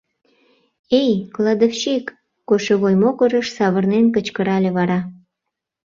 Эй, кладовщик! — кошевой могырыш савырнен кычкырале вара.